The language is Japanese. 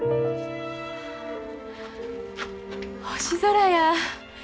９。星空や。